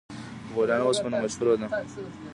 غوریان وسپنه مشهوره ده؟